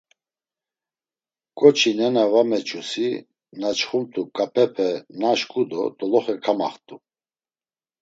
Ǩoçi nena va meçusi na çxumt̆u ǩap̌epe naşǩu do doloxe kamaxt̆u.